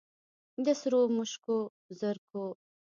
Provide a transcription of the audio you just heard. د سرو مشوکو زرکو